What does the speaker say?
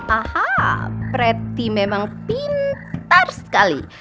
aha preti memang pintar sekali